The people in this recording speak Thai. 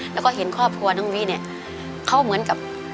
แล้วก็เห็นครอบครัวน้องวิเนี่ยเขาเหมือนกับ